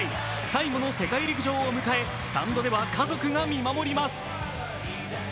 最後の世界陸上を迎え、スタンドでは家族が見守ります。